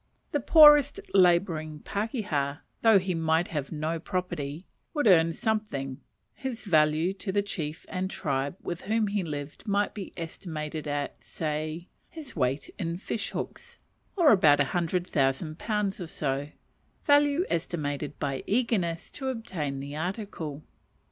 The poorest labouring pakeha, though he might have no property, would earn something his value to the chief and tribe with whom he lived might be estimated at, say, his weight in fish hooks, or about a hundred thousand pounds or so: value estimated by eagerness to obtain the article.